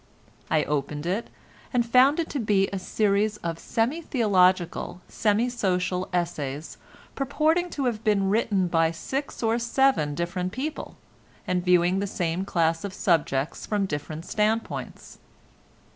I opened it and found it to be a series of semi theological, semi social essays, purporting to have been written by six or seven different people, and viewing the same class of subjects from different standpoints.